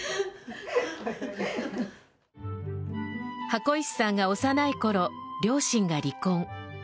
箱石さんが幼いころ両親が離婚。